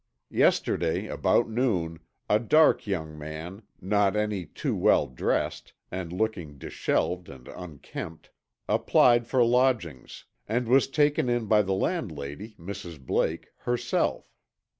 Yesterday about noon, a dark young man, not any too well dressed, and looking dishevelled and unkempt, applied for lodgings, and was taken in by the landlady, Mrs. Blake, herself.